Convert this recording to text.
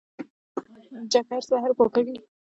جګر زهر پاکوي.